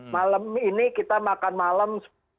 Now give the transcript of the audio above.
malam ini kita makan malam